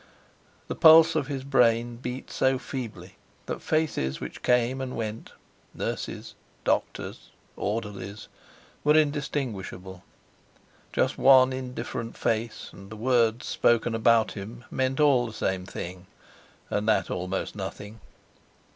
The pulse of his brain beat so feebly that faces which came and went, nurse's, doctor's, orderly's, were indistinguishable, just one indifferent face; and the words spoken about him meant all the same thing, and that almost nothing.